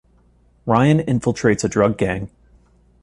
Ryan infiltrates a drug gang.